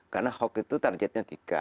karena huac itu targetnya tiga